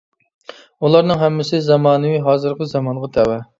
ئۇلارنىڭ ھەممىسى زامانىۋى، ھازىرقى زامانغا تەۋە.